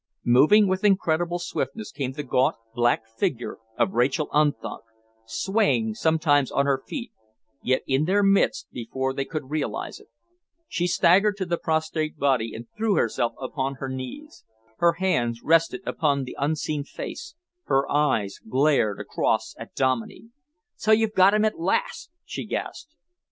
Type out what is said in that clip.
Moving with incredible swiftness came the gaunt, black figure of Rachael Unthank, swaying sometimes on her feet, yet in their midst before they could realise it. She staggered to the prostrate body and threw herself upon her knees. Her hands rested upon the unseen face, her eyes glared across at Dominey. "So you've got him at last!" she gasped.